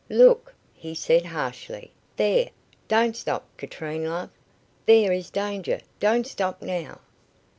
"Look," he said harshly. "There. Don't stop, Katrine, love. There is danger. Don't stop now."